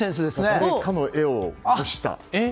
誰かの絵を模した。